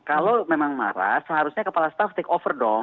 kalau memang marah seharusnya kepala staf take over dong